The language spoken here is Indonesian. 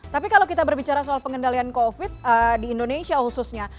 tapi kalau kita berbicara soal pengendalian covid di indonesia khususnya